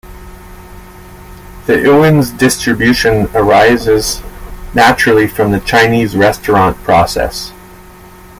The Ewens distribution arises naturally from the Chinese restaurant process.